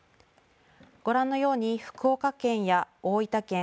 ご覧のように福岡県や大分県